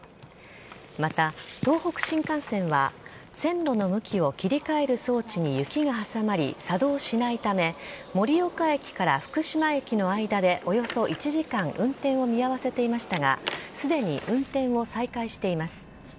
また、東北新幹線は線路の向きを切り替える装置に雪が挟まり、作動しないため、盛岡駅から福島駅の間でおよそ１時間運転を見合わせていましたが、すでに運転を再開しています。